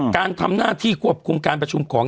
การทำหน้าที่ควบคุมการประชุมของ